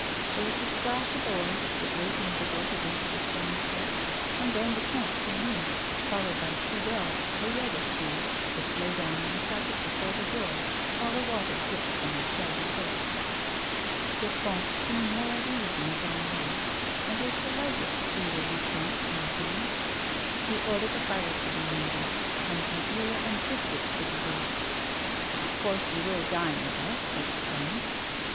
Tiiere was the splash of oars, the trrating of a boat against the stone steps and then the comte came in, followed by two dogs of a reddish hue, whicli lay down on the carpet before the door, while the water dripped from their shaggy coats. The comte seemed more at his ease in his own house, and A WOMAN'S LIFE. 137 was delighted to see the vicomte and Jeanne. He ordered the fire to be made up, and Madeira and biscuits to be brought. " Of course you will dine with us," he exclaimed.